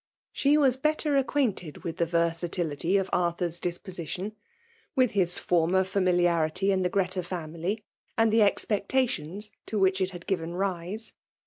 She was better aoquaintdd with the versatility ol Arthnr*s disposition ; with his former familiarity in the Greta fiuaily, and the expectations to which it had given rise.